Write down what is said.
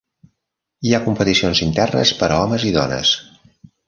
Hi ha competicions internes per a homes i dones.